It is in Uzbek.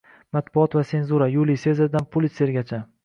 Matbuot va senzura – Yuliy Sezardan Pulitsergacha